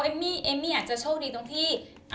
เอมมี่อาจจะโชคดีตรงที่